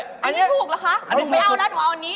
อันนี้ถูกเหรอคะหนูไม่เอาแล้วหนูเอาอันนี้